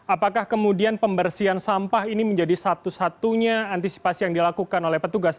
apakah kemudian pembersihan sampah ini menjadi satu satunya antisipasi yang dilakukan oleh petugas